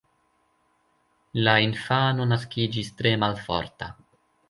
La infano naskiĝis tre malforta.